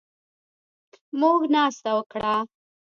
موږ ناسته وکړه